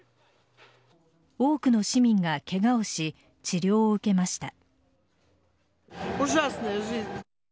多くの市民がケガをし治療を受けました。